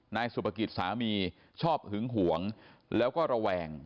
นายสุภกิจสามีชอบหึงหวงแล้วก็ระแวง